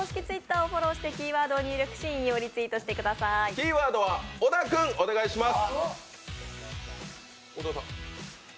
キーワードは小田君お願いします。